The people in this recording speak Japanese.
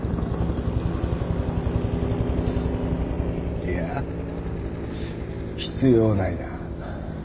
いいや必要ないな。